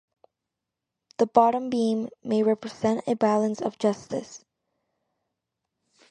The bottom beam may represent a balance of justice.